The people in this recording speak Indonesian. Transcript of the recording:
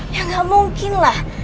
ya gak mungkin lah